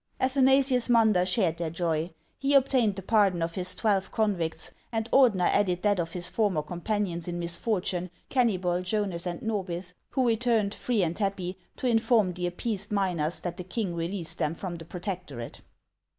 Athanasius Munder shared their joy. He obtained the pardon of his twelve convicts, and Ordener added that of his former companions in misfortune, Jonas and Norbith, HANS OF ICELAND. 527 who returned, free and happy, to inform the appeased miners that the king released them from the protectorate.